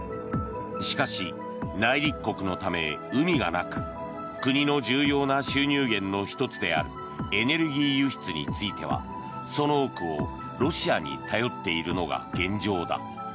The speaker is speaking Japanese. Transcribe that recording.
しかし、内陸国のため海がなく国の重要な収入源の１つであるエネルギー輸出についてはその多くをロシアに頼っているのが現状だ。